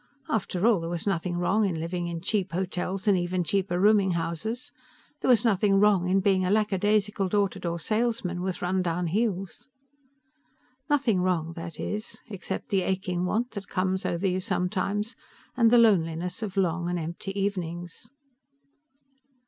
After all, there was nothing wrong in living in cheap hotels and even cheaper rooming houses; there was nothing wrong in being a lackadaisical door to door salesman with run down heels. Nothing wrong, that is, except the aching want that came over you sometimes, and the loneliness of long and empty evenings.